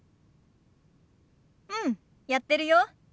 うんやってるよ。